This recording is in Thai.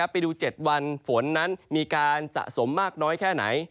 ไปดู๗วันฝนนั้นมีการสะสมมากน้อยแค่ไหน